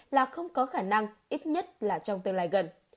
là không có khả năng ít nhất là trong tương lai gần